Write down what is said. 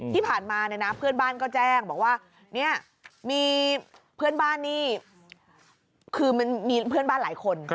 ที่ผ่านมาเนี่ยนะเพื่อนบ้านก็แจ้งบอกว่าเนี่ยมีเพื่อนบ้านนี่คือมันมีเพื่อนบ้านหลายคน